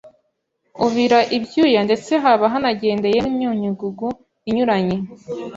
ubira ibyuya ndetse haba hanagendeyemo imyunyungugu inyuranye